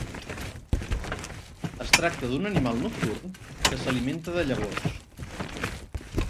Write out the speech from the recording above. Es tracta d'un animal nocturn que s'alimenta de llavors.